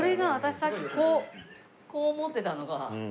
さっきこうこう持ってたのが。